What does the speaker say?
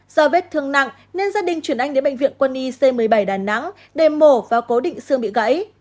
do vết thương nặng nên gia đình chuyển anh đến bệnh viện quân y c một mươi bảy đà nẵng để mổ và cố định xương bị gãy